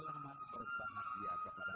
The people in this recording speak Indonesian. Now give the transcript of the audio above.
terbang burung ke pinggir pantai